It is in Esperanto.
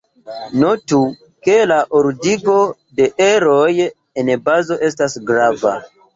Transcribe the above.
Notu, ke la ordigo de eroj en bazo estas grava.